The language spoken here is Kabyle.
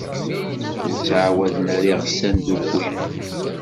Ur ttɛawaden ara iɣsan tubbwi.